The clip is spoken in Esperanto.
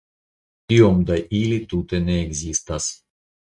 Tiom da ili tute ne ekzistas.